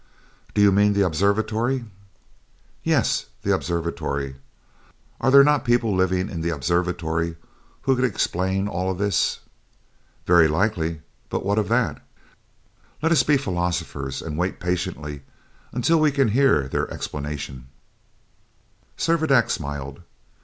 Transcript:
"Do you mean the Observatory?" "Yes, the Observatory. Are there not people living in the Observatory who could explain all this?" "Very likely; but what of that?" "Let us be philosophers, and wait patiently until we can hear their explanation." Servadac smiled.